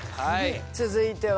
続いては。